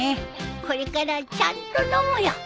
これからはちゃんと飲むよ。